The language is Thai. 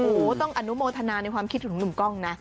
โอ้โหต้องอนุโมทนาในความคิดของหนุ่มกล้องนะ